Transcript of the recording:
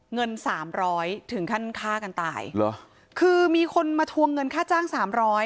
เงินสามร้อยถึงขั้นฆ่ากันตายเหรอคือมีคนมาทวงเงินค่าจ้างสามร้อย